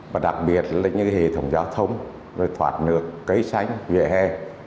và đặc biệt là những hệ thống giao thông thoạt nước cấy sánh vệ he